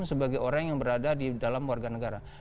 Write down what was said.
sebagai orang yang berada di dalam warga negara